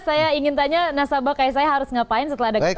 saya ingin tanya nasabah kayak saya harus ngapain setelah ada kegiatan